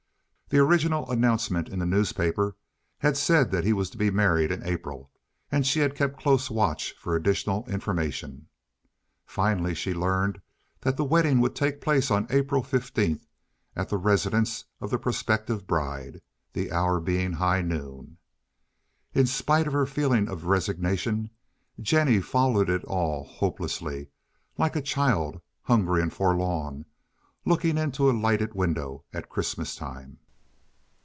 The original announcement in the newspapers had said that he was to be married in April, and she had kept close watch for additional information. Finally she learned that the wedding would take place on April fifteenth at the residence of the prospective bride, the hour being high noon. In spite of her feeling of resignation, Jennie followed it all hopelessly, like a child, hungry and forlorn, looking into a lighted window at Christmas time.